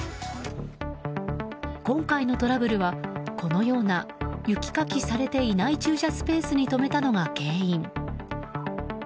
今回のトラブルはこのような雪かきされていない駐車スペースに止めたのが原因。